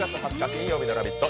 金曜日の「ラヴィット！」。